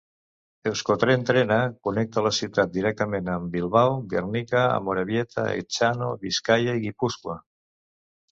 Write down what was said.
Euskotren Trena connecta la ciutat directament amb Bilbao, Guernica, Amorebieta-Etxano, Biscaia i Guipúscoa.